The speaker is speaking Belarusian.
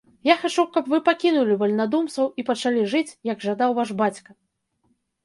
Я хачу, каб вы пакінулі вальнадумцаў і пачалі жыць, як жадаў ваш бацька!